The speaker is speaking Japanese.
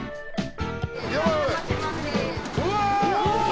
うわ！